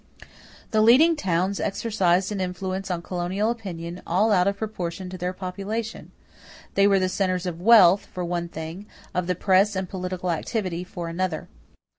The leading towns exercised an influence on colonial opinion all out of proportion to their population. They were the centers of wealth, for one thing; of the press and political activity, for another.